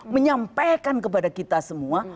menyampaikan kepada kita semua